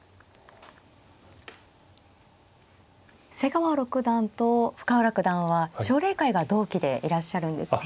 瀬川六段と深浦九段は奨励会が同期でいらっしゃるんですね。